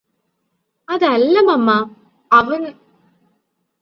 അതല്ലമമ്മ അവന്